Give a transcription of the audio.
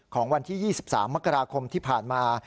ของวันที่๒๓มกราคมที่ผ่านมา